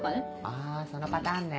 あそのパターンね。